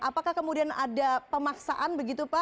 apakah kemudian ada pemaksaan begitu pak